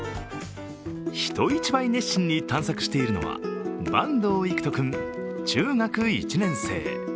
人一倍熱心に探索しているのは板東郁仁君、中学１年生。